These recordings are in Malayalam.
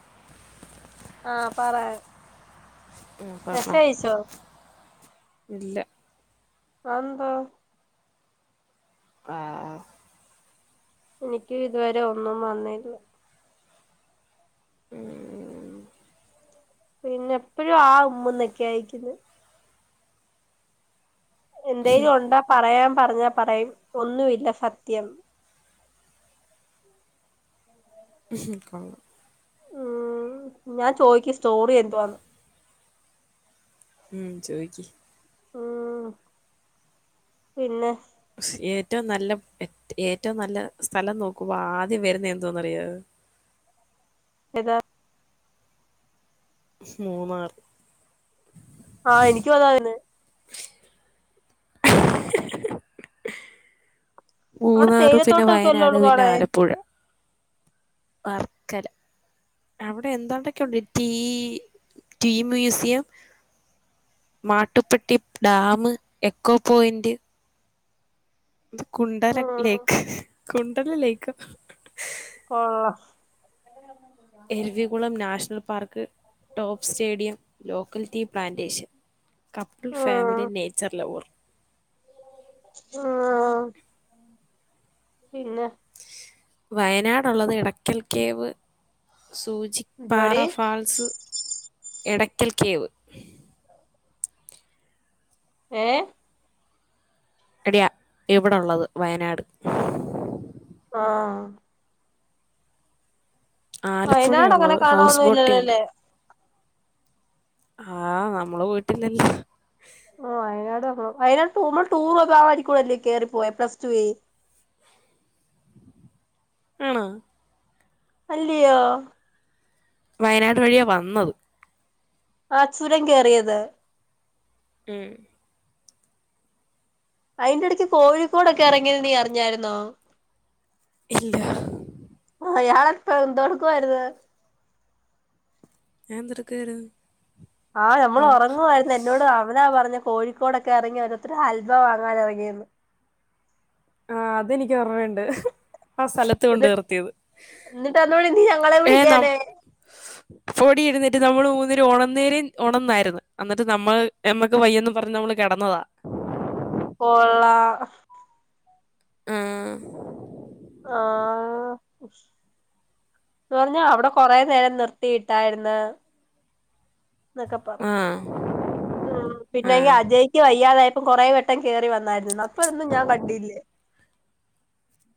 [inaudible] ആ പറേ ഉ പർഞ്ഞോ ഇല്ല അതെന്താ ആ എനിയ്ക്കും ഇതുവരെ ഒന്നും വന്നീല്ല ഉം പിന്നെ എപ്പഴും ആ ഉമ്മന്നൊക്കെയാ അയക്കുന്നെ എന്തേലും ഒണ്ടാ പറയാം പറഞ്ഞാ പറയും ഒന്നവില്ല സത്യം ഉഹും ഉം ഞാൻ ചോയ്ക്ക സ്റ്റോറി യെന്തുവാണ് ഉം ചോയ്ക്കി ഉം പിന്നെ ഏറ്റവും നല്ല ഏറ്റവും നല്ല സ്ഥലം നോക്കുമ്പോ ആദ്യം വരുന്ന എന്തോന്ന് അറിയാവേ ഏത മൂന്നാറ് ആ എനിക്കും അതാ വരുന്ന് അവിടെ മൂന്നാറ് പിന്നെ തേയിലത്തോട്ടൊക്കെ അല്ലേ വയനാട് ഉള്ളൂ പിന്നെ കാണാൻ ആലപ്പുഴ വർക്കല അവിടെ എന്തോണ്ടൊക്കെണ്ട് tea tea museum Mattupetty dam echo point Kundala ഉം ലേക്ക് കുണ്ടല ലേക്കെ കൊള്ളാം Eravikulam national park top stadium locality plantation couple family nature lover ആഹ് പിന്നെ വയനാടുള്ളത് ഇടക്കൽ കേവ് സൂചി പാറ എന്തുവാടി ഫാൾസ് എടയ്ക്കൽ കേവ് ഏ എടിയാ ഇവിടെള്ളത് വയനാട് ആ വയനാട് അങ്ങനെ ആലപ്പുഴയുള്ളത് ഹൗസ് ബോട്ടിംഗ് കാണൊന്നുംല്ലല്ലോല്ലേ ആനമ്മള് വീട്ടിൽ തന്നെ ഓ വയനാട് വന്ന വയനാട്പോവുബോ ടൂർക്കെ ആ വായിക്കൂടെല്ലേ കേയറിപ്പോയ പ്ലസ് ടു വേ ആണേ അല്ലയെ വയനാട് വഴിയാ വന്നത് ആ ചുരം കേയറിയത് ഉം അയിന്റെ ഇടക്ക് കോഴിക്കോടൊക്കെ ഇറങ്ങിത് നീ അറിഞ്ഞായിരുന്നോ ഇല്ല അയാളെപ്പേ എന്ധെടുക്കായിരുന്നു ഞാൻ എന്ധെടുക്കായിരുന്നു ആനമ്മൾ ഉറങ്ങുവമായിരുന്നു എന്നോട് അവനാ പറഞ്ഞ കോഴിക്കോടൊക്കെ ഇറങ്ങി ഓരോത്തരു ആൽവ വാങ്ങാൻ ഇറങ്ങിന്ന് ആ അതെനിക്ക് ഒർമ്മുണ്ട് അ സ്ഥലത്ത് കൊണ്ട് നിർത്തിയത് അയിന് ഞങ്ങളെ ഏ വിളിക്കാനേ നം പൊടി ഇടുന്നിട്ട് നമ്മള് ഉന്നിന് ഓണനേര ഒണന്നായിരുന്നു എന്നിട്ട് നമ്മൾ ഞമ്മക്ക് വയ്യന്ന് പറഞ്ഞ് നമ്മ കിടന്നതാ [inaudible] പോള്ള ആ ആ എന്ന് പറഞ്ഞാ അവിടെ കൊറെ നേരം നിർത്തിയിട്ടായിരിന്ന് നെക്കെ ആ പറഞ്ഞ് മ് ആ പിന്നെ ഇ അജയ്ക്ക് വയ്യാതായി ഇപ്പം കൊറെേ വെട്ടം കേയറി വന്നായിരുന്നു അപ്പൊന്നും ഞാൻ കണ്ടില്ലേ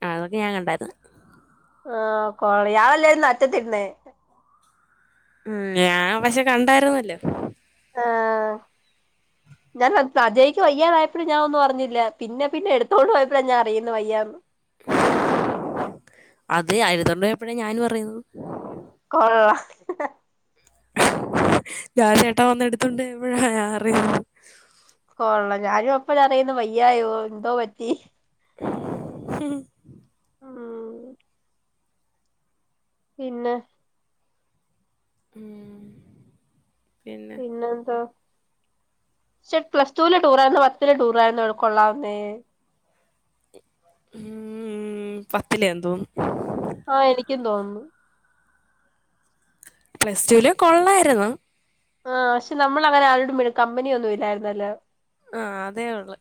അ അതൊക്കെ ഞാൻ കണ്ടായിരുന്നു ആ കോളി ആളല്ലേയിരുന്നു അറ്റത്തിരുന്നേ മ്മ് ഞാൻ പക്ഷെ കണ്ടായിരുന്നല്ലോ ആ ഞാൻ സജയ്ക്ക് വയ്യാതായപ്പൊളും ഞാൻ ഒന്നും അറിഞ്ഞില്ല പിന്നെ പിന്നെ എടുത്തോണ്ട് പോയപ്പൊളാ ഞാൻ അറിണേ വയ്യാന്ന് അതെ [unintelligible] പോയപ്പോഴാണ് ഞാനും അറിയ്ന്ന് കൊള്ളാം ഞാൻ ചേട്ടൻ വന്നെട്ത്തുണ്ടോയപ്പയാ കൊള്ള ഞാനും അപ്പഴാ അറിയ്ന്ന് വയ്യായോ എന്തോ പറ്റി ഹ് ഹ് ഉം പിന്നെ മ്മ് പിന്നെന്തോ ക്ഷെ പ്ലസ്ടൂലെ ടൂറായ്ര്ന്നോ പത്തിലെ ടൂറായിരുന്നോ കൊള്ളാവുന്നേ മ്മ് പത്തിേലെയെന്ന് തോന്നു ആ എനിക്കും തോന്നുന്നു പ്ലസ്ടൂല് കൊള്ളായ്ര്ന്നു ആ പക്ഷെ നമ്മളങ്ങനെ ആരോടും കമ്പന്യൊന്നും ഇല്ലായ്ര്ന്നല്ലോ ആഹ് അതേ ഒള്ള്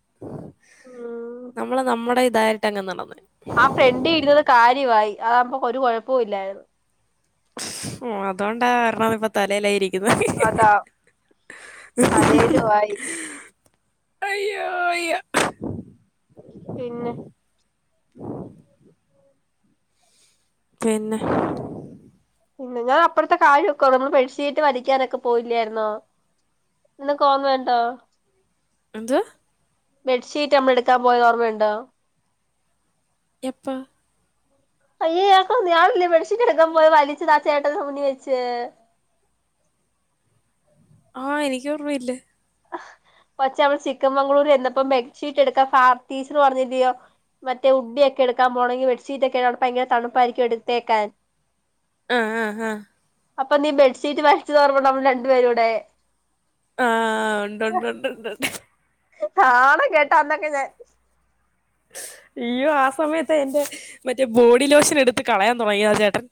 ഉം നമ്മള് നമ്മുടെഇതായിട്ടങ്ങ് നടന്ന് ആ ഫ്രണ്ടീ ഇരുന്നത് കാര്യവായി. അതാവുമ്പോ ഒരു കൊഴപ്പവു ഇല്ലായിര്ന്ന്. ഉം അതോണ്ടാ കാരണം ഇപ്പോ തലേലായിരി ക്ക്ന്ന അതാ അതേലും ആയി അയ്യോ വയ്യ പിന്നെ പിന്നെ പിന്നെ ഞാൻ അപ്പഴ്ത്തെ കാര്യൊക്കെ [unintelligible] നമ്മള് ബെഡ്ഷീറ്റ് വലിക്കാനൊക്കെ പോയില്ലായ്ര്ന്നോ. നിനക്കോർമയുണ്ടോ? എന്ത് ബെഡ്ഷീറ്റ് അമ്മളെട്ക്കാൻ പോയത് ഓർമ്മയുണ്ടോ? എപ്പ? അയ്യേ ഇയാക്കോ ഇയാളല്ലേ ബഡ്ഷീറ്റെട്ക്കാൻ പോയ് വലിച്ചത് ആ ചേട്ടൻ്റെ മുന്നീവെച്ച്. ആഹ് എനിക്കോർമ്മയില്ല. കൊച്ചേ നമ്മള് ചിക്കൻമംഗ്ളൂര് ചെന്നപ്പം ബെഡ്ഷീറ്റെടുക്കാ ഫാ ത്തി ടീച്ചർ പറ്ഞ്ഞില്ലെയോ മറ്റേ ഉഡിയൊക്കെ എടുക്കാൻ പോണെങ്കി ബെഡ്ഷീറ്റൊക്കെ അവ്ടെ ഭയ്ങ്കര തണുപ്പായിര്ക്കും എടുത്തേക്കാൻ ആഹ് ആഹ് ഹാ അപ്പൊ നീ ബെഡ്ഷീറ്റ് വലിച്ചതോർമണ്ടോ നമ്മൾ രണ്ട് പേരൂടെ. ആഹ് ഉണ്ട് ഉണ്ട് ഉണ്ട് ഉണ്ട്ണ്ട്. ന്നാണം കെട്ടന്നക്കെ ഞാൻ അയ്യോ ആ സമയത്താ എന്റെ മറ്റേ ബോഡി ലോഷൻ എടുത്ത് കളയാൻ തൊടങ്ങിയതാ ചേട്ടൻ.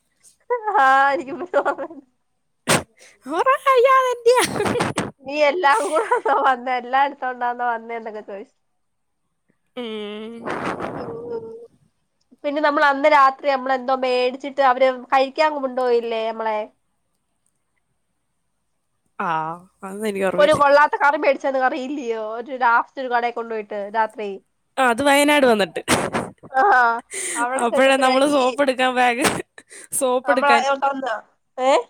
ആഹ് എനിക്ക് [unintelligible] ഓർമയ്ണ്ട്. [unintelligible] അയ്യോ അതെൻ്റിയാ. നീ എല്ലാം കൂടെന്നോ വന്നേ എല്ലാം എട്ത്തോണ്ടാണോ വന്നേ ന്നൊക്കെ ചോയ്ച്ച്. ഉം. ഓ [unintelligible] പിന്നെ നമ്മൾ അന്ന് രാത്രി നമ്മളെന്തോ മേട്ച്ചിട്ട് അവര് കഴിക്കാൻ കൊണ്ടോയില്ലേ മ്മളെ ആഹ് അതൊന്നും എനിക്കോറ്മയില്ല ച്ചെത് അറിയില്യോ ഒരു ലാസ്റ്റ് ഒരു കടേ കൊണ്ടോയിട്ട് രാത്രി ആഹ് അത് വയനാട് വന്ന്ട്ട് ആഹ് അവ്ടെ ചെന്നപ്പയാങ്കി സോപ്പ് എടുക്കാൻ ബാഗ് സോപ്പ് നമ്മളെ [unintelligible] ഏഹ്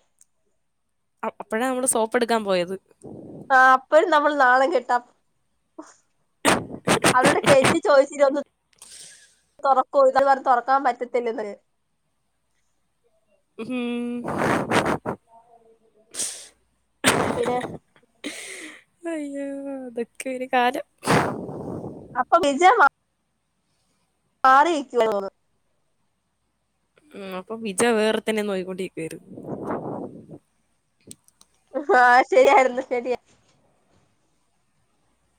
അഹ് അപ്പഴാ നമ്മള് സോപ്പെടുക്കാൻ പോയത് ആഹ് അപ്പഴും നമ്മള് നാണം കെട്ടാ അവരോട് കെഞ്ചി ചോയിച്ചില്ലേ ഒന്ന് തൊറക്വോ [unintelligible] പറ [unintelligible] തൊറക്കാൻ പറ്റത്തില്ലെന്ന് മ്ഹ് പിന്നെ അയ്യോ അതൊക്കെ ഒരു കാലം അപ്പൊ വിജ വാ ആറെ [unintelligible] തോന്ന് ഉം അപ്പൊ വിജ വേറെരുത്തനെ നോയിക്കൊണ്ടിക്കുവാര്ന്ന് ആഹ്ഹ ശരിആരുന്നു ശരിയ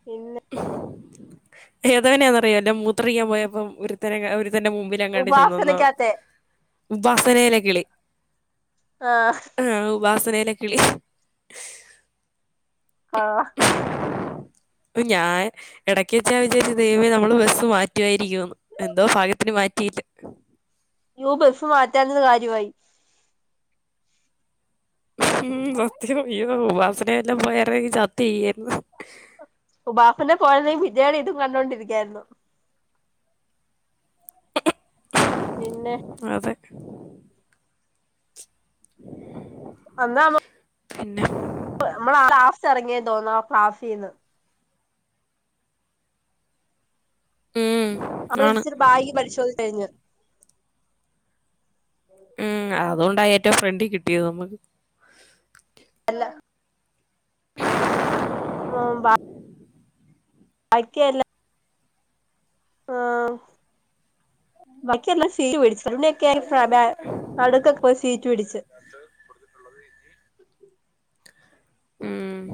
പിന്നെ ഏതവനന്നറിയല്ലോ മൂത്രോയിക്കാൻ പോയപ്പം ഒരുത്തനെ ക ഒരു തന്റെ മുമ്പിലെങ്ങാണ്ട് ചെന്നന്നോ ഉപാസനക്കാത്തെ ഉപാസനയിലെ കിളി ആഹ് ഉപാസനെലെ കിളി അഹ് പ്പ് ഞാൻ എടക്ക്‌ച്ചാ വിചാരിച്ചത് ദൈമേ നമ്മള് ബസ് മറ്റുവാരിക്കു എന്തോ ഭാഗ്യത്തിന് മാറ്റിയില്ല യ്യോ ബസ് മാറ്റാഞ്ഞത് കാര്യവായി ഉം സത്യവാ യ്യോ ഉപാസനഎല്ലാം പോയാരുന്നെങ്കിൽ ചത്ത്‌ ചെയ്യാരുന്നു ഉപാസനെ പോയാരുന്നെങ്കിൽ വിജയ്ടെ ഇതും കണ്ടോണ്ടിരിക്കായിരുന്നു പിന്നെ അതെ അന്നേ ആവോ പിന്നെ നമ്മളാ ലാസ്റ്റ് ഇറങ്ങിയേ തോന്നു ആ ക്ലാസ്സീന്ന് ഉം ഉം ആണ് അബളിച്ചിരി ബായ് പരിശോധന കഴിഞ്ഞ് ഉം അതോണ്ടാ ഏറ്റവും ഫ്രണ്ടി കിട്ടിയത് ന്ന് അല്ല ഉം ബ ആയിക്കെ എല്ല ആഹ് ബാക്കി എല്ലാം സീറ്റ്പിടിച്ചു പിന്നൊക്കെയ പ്പതാ നടുക്കൊക്കെ പോയി സീറ്റ് പിടിച്ച് ഉം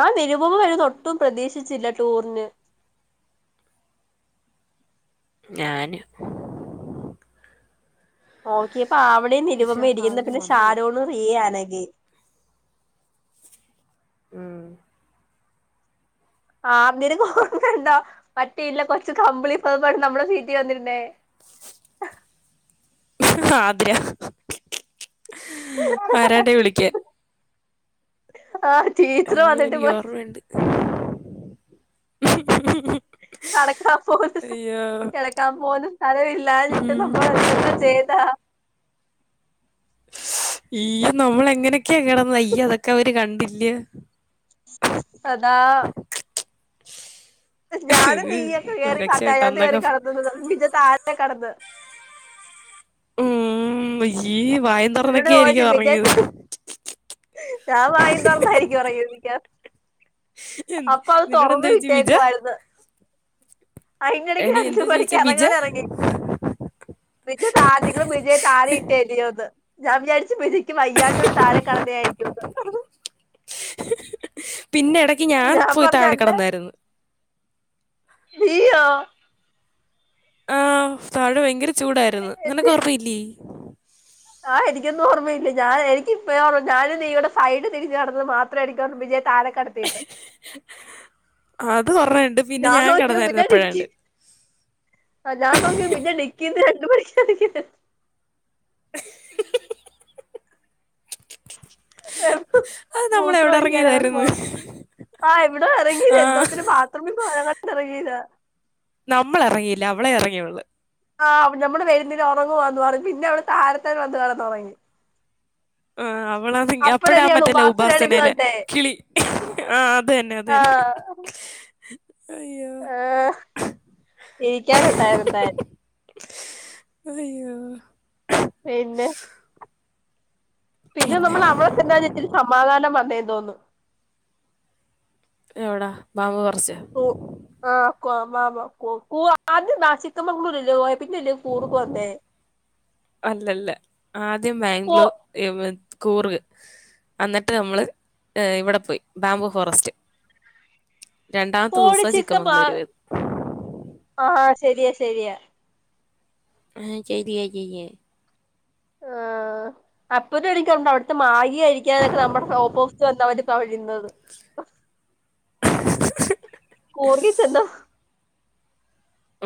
ആഹ് നിരുപമ വരൂന്ന് ഒട്ടും പ്രതീക്ഷിച്ചില്ല ടൂറിന് ഞാനും നോക്കിയപ്പ ആവണീം പക്ഷെ ആ നിരുപമേം ഇരിക്കുന്നു സാധനം പിന്നെ വന്നുപോയി ഷാരോണും റിയേം അനഘേ ഉം ആഹ് അന്നേരം ക്ക്‌ ഓർമ്മയൊണ്ടോ മറ്റേ ഇല്ലെ കൊച്ച് കമ്പിളിപ്പൊതപ്പുമായിട്ട് നമ്മടെ സീറ്റി വന്നിരുന്നേ ആതിരാ വരാണ്ടേ വിളിക്കാൻ ആ [unintelligible] അയ്യോ എനിക്ക് ഓർമ്മയുണ്ട് അണക്കാ പോ [unintelligible] അയ്യോ കെടക്കാൻ പോലും സ്ഥലം ഇല്ലാഞ്ഞിട്ട് നമ്മൾ എന്തൊക്കെ ചെയ്താ ഇയ്യ നമ്മളെ എങ്ങനെക്കെയാ കെടന്നെ ഇയ്യ അതൊക്കെ അവരെ കണ്ടില്ലയോ അതാ [inaudible] ഞാൻ നീയക്കെ കയറി കാട്ട രക്ഷപ്പെട്ട് അതിനകത്ത് കയറി അന്നൊക്കെ കിടന്ന ബിജത്ത് താഴെ കിടന്ന് ഉം അയ്യേ എന്നോട് പോച്ച ബജത്ത് ഞാൻ വായും തുറന്ന് ആയിരിക്കും ഉറങ്ങിയത് മിക്കവാറും എന്ത് അപ്പൊ അത് നിന്നോട് എന്താ തുറന്ന് ചോദിച്ചു ബിജ വിട്ടേക്കുവമായിരുന്നു അയിന്റെ ഇടയ്ക്ക് എടി ആഞ്ചു എന്താ മണിക്ക് ചോദിച്ച ബിജ ഇറങ്ങാന ഇറങ്ങി വിജയ താതിക്കളും വിജയ താഴെയിട്ടേ അല്ലയോന്ന് ഞാൻ വിചാരിച്ചു വിരിക്ക [unintelligible] വയ്യാഞ്ഞോണ്ട് താഴെ കടന്ന ആയിരിക്കുന്ന് പിന്നെ ഇടക്ക് ഞാൻ പോയി താഴെ കടന്നായിരുന്നു നീയോ ആഹ് താഴെ ഭയങ്കര ചൂടായിരുന്നു നിനക്ക് ഓർമയില്ലേ ആഹ്‌ എനിക്കന്നും ഓർമ്മയില്ല ഞാ എക്കിപ്പ ഓമ്മ ഞാനീ ഇവിടെ സൈഡ് തിരിച്ച് നടന്നത് മാത്രം എക്ക് ഓർമ്മ താഴെക്കടത്തിട്ട് അത് ഓർമ്മയുണ്ട് [unintelligible] പിന്നെ ഞാൻ നോക്കി കിടന്നായിരുന്നു പിന്നടിക്കി അപ്പോഴാണ്ട് [unintelligible] [unintelligible] [unintelligible] അത് നമ്മൾ എവിടെ മൂത്രവോഴിക്കാനെങ്ങണ്ടു ഇറങ്ങിയതായിരുന്നു പോവാ ആഹ എവിടാ ഇറങ്ങിയത് ആ എന്താത്തിന് ബാത്‌റൂമിൽ പോകാൻ ഇറങ്ങിയത നമ്മള ഇറങ്ങിയില്ല അവളെ ഇറങ്ങിയള്ളു ആഹ് നമ്മള് വരുന്നന് ഉറങ്ങുവാന്ന് പറഞ്ഞ് പിന്നെ അവിടെ താഴത്തേന് വന്ന് കെടന്ന് ഒറങ്ങി. ആഹ് അവളാന്നെങ്കി അപ്പഴാ മറ്റെ ലവ് ബാസിനാണ് ഇത് ഉപാസനയിലെ കണ്ടേ കിളി ആഹ് അത് തന്നെ. അതന്നെ ആഹ് പി കെ ആർ ഉണ്ടായിരുന്നെന്തായാലും. അയ്യോ പിന്നെ പിന്നെ നമ്മൾ അവടെ ചെന്നാ [unintelligible] സമാധാനം വന്നേ തോന്നു. എവിടാ ബാ [unintelligible] കു ആഹ് കൊ മാ മൊ കൊ കു ആദ്യം ദാ ചിക്കമഗ്ലൂരു അല്ലെ പോയത് അല്ലല്ല ആദ്യം കോ ബാംഗ്ലൂ [unintelligible] കൂർ എന്നിട്ട് നമ്മള് ഇവിടെ പോയി ബാംബു ഫോറസ്റ്റ്. രണ്ടാമത്തെ കോഴി ദിവസാ ചിക്കൻ മാ ചിക്കമംഗളൂരു പോയത്. ആഹ് ശരിയാ ശരിയാ. ആഹ് ചെരിയാ ചെയാ ആ അപ്പതും എനിക്കൊണ്ട് അവിടുത്തെ മാഗി കഴിക്കാനൊക്കെ നമ്മടെ ഓപ്പോസിറ്റ് വന്നവൻ്റെ [unintelligible] നിന്നത്.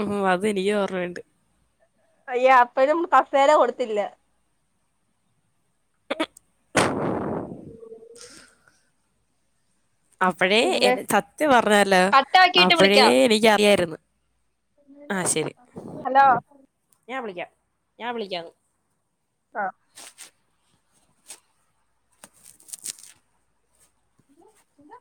ഉം അത് എനിക്ക് ഓർമയ്ണ്ട്. അയ്യ അപ്പഴും കസേല കൊടുത്തില്ല. അപ്പഴേ പിന്നെ ഇത് സത്യം പറഞ്ഞാലോ കട്ടാക്കിയിട്ട് അപ്പഴേ വിളിക്കാം എനിക്ക് അറിയായിര്ന്ന്. ഹലോ ഞാൻ വിളിക്കാം ഞാൻ വിളിക്കാംന്ന്. ആഹ് എ എന്താ.